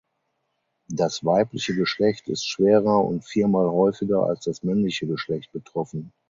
Das weibliche Geschlecht ist schwerer und vier Mal häufiger als das männliche Geschlecht betroffen.